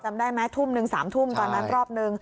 จำได้ไหมทุ่มหนึ่ง๓ทุ่มตอนนั้นรอบนึง